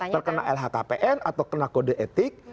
terkena lhkpn atau kena kode etik